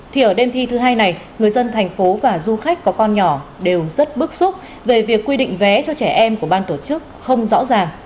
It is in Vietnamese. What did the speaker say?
thì ở đêm thi thứ hai này người dân thành phố và du khách có con nhỏ đều rất bức xúc về việc quy định vé cho trẻ em của ban tổ chức không rõ ràng